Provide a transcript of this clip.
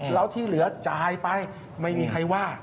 แล้วที่เหลือจ่ายไปไม่มีใครว่า